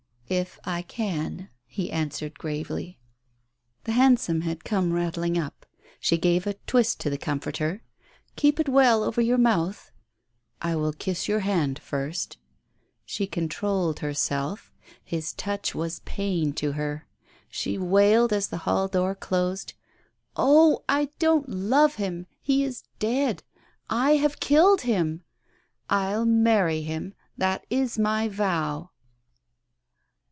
"If I can," he answered gravely. Digitized by Google THE TELEGRAM 27 The hansom had come rattling up. She gave a twist to the comforter. "Keep it well over your mouth. ..." "I will kiss your hand first." She controlled herself. His touch was pain to her. She wailed, as the hall door closed — "Oh, I don't love him ! He is dead. I have killed him ! Til marry him, that is my vow